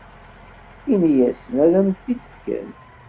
Ini-asen ad am-t-id-fken.